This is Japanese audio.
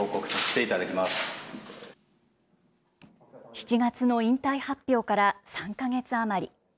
７月の引退発表から３か月余り。